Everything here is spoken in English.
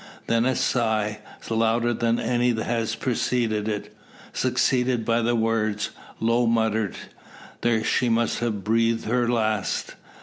Then a sigh, louder than any that has preceded it, succeeded by the words, low muttered: "There she must have breathed her last!"